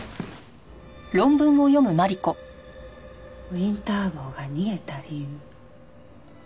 ウィンター号が逃げた理由。